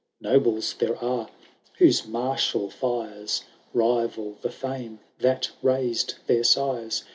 Noblef there are, whose martial fires Bival the &me that raised their sires.